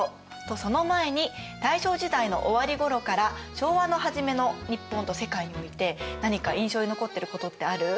その前に大正時代の終わりごろから昭和の初めの日本と世界において何か印象に残ってることってある？